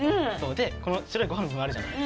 この白いご飯の部分があるじゃない